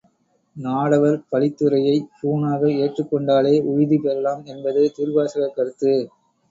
நாடவர் பழித்துரையைப் பூணாக ஏற்றுக் கொண்டாலே உய்தி பெறலாம் என்பது திருவாசகக் கருத்து.